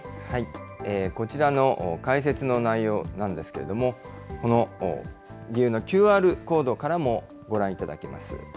こちらの解説の内容なんですけれども、この上のＱＲコードからもご覧いただけます。